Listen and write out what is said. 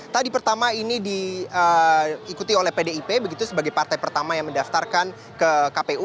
tadi pertama ini diikuti oleh pdip begitu sebagai partai pertama yang mendaftarkan ke kpu